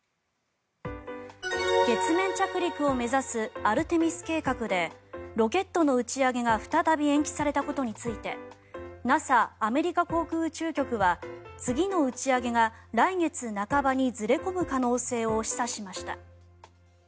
月面着陸を目指すアルテミス計画でロケットの打ち上げが再び延期されたことについてＮＡＳＡ・アメリカ航空宇宙局は次の打ち上げが来月半ばにずれ込む可能性を示唆しました。